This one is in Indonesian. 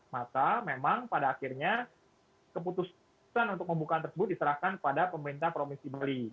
maka memang pada akhirnya keputusan untuk membuka tersebut diserahkan kepada pemerintah provinsi bali